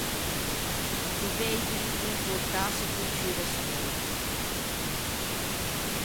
Doveivimo comportâse con ciù respetto.